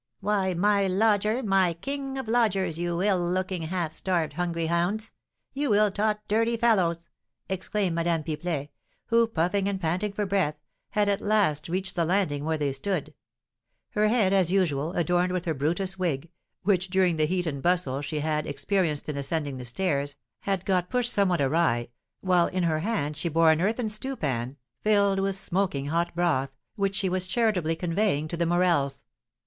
Why, my lodger, my king of lodgers, you ill looking, half starved, hungry hounds! you ill taught, dirty fellows!" exclaimed Madame Pipelet, who, puffing and panting for breath, had at last reached the landing where they stood; her head, as usual, adorned with her Brutus wig, which, during the heat and bustle she had experienced in ascending the stairs, had got pushed somewhat awry, while in her hand she bore an earthen stewpan, filled with smoking hot broth, which she was charitably conveying to the Morels.